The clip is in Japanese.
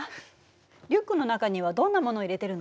リュックの中にはどんな物を入れてるの？